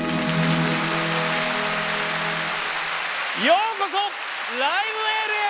ようこそ「ライブ・エール」へ！